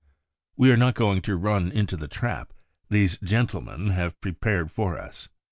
We are not going to run into the trap these gentlemen have prepared for us.